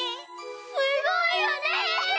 すごいよね！